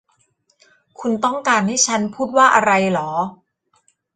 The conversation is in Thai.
คุณต้องการให้ฉันพูดว่าอะไรหรอ